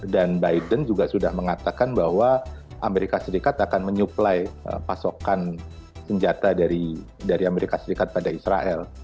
dan biden juga sudah mengatakan bahwa amerika serikat akan menyuplai pasokan senjata dari amerika serikat pada israel